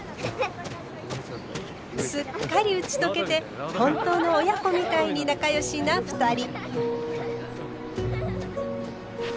すっかり打ち解けて本当の親子みたいに仲良しな２人。